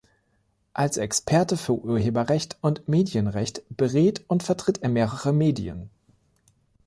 Als Experte für Urheberrecht und Medienrecht berät und vertritt er mehrere Medien.